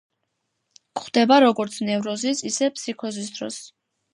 გვხვდება როგორც ნევროზის, ისე ფსიქოზის დროს.